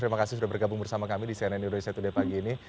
terima kasih sudah bergabung bersama kami di cnn indonesia today pagi ini